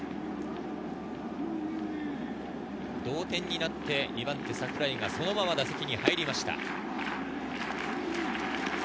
同点になって２番手・櫻井がそのまま打席に入りました。